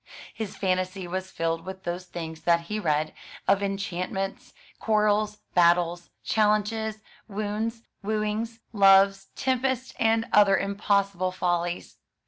His fantasy was filled with those things that he read, of enchantments, quarrels, battles, challenges, wounds, wooings, loves, tempests, and other impossible follies.